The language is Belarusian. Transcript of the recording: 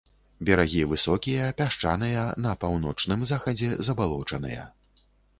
Берагі высокія, пясчаныя, на паўночным захадзе забалочаныя.